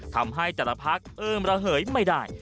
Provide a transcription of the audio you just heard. แต่ละเหยไม่ได้